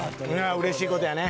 うれしいことやね。